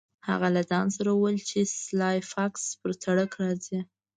هغه له ځان سره وویل چې سلای فاکس پر سړک راځي